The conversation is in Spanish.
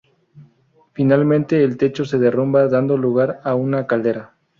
Finalmente, el techo se derrumba dando lugar a una caldera.